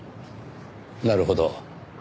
なるほど。